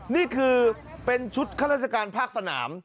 นี่คือเป็นชุดข้าราชการภาคสนาม